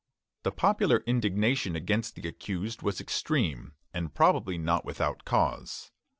The popular indignation against the accused was extreme, and probably not without cause.